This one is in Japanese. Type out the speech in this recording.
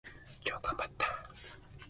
今日頑張った。